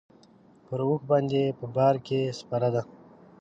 پر اوښ باندې په بار کې سپره ده.